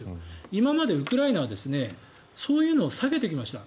今までウクライナはそういうのを避けてきました。